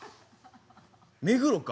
目黒か。